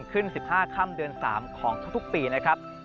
ขึ้น๑๕ค่ำเดือน๓ของทุกปีนะครับ